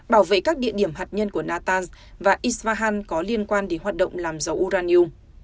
bảo vệ các địa điểm hạt nhân của natanz và isfahan có liên quan để hoạt động làm dầu uranium